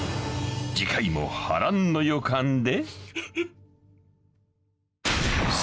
［次回も波乱の予感で］